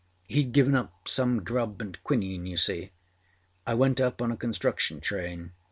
Heâd given âem some grub and quinine, you see. I went up on a construction train.